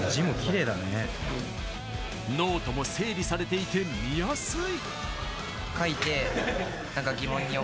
ノートも整理されていて見やすい。